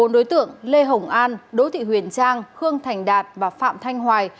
bốn đối tượng lê hồng an đỗ thị huyền trang khương thành đạt và phạm thanh hoài